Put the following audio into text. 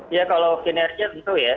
ya kalau kinerja tentu ya